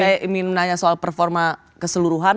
saya ingin nanya soal performa keseluruhan